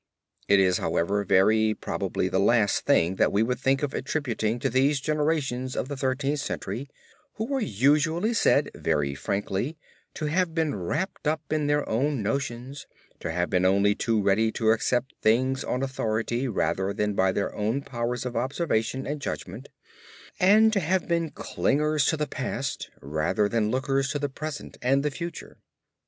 It is, however, very probably the last thing that we would think of attributing to these generations of the Thirteenth Century, who are usually said very frankly to have been wrapped up in their own notions, to have been only too ready to accept things on authority rather than by their own powers of observation and judgment, and to have been clingers to the past rather than lookers to the present and the future.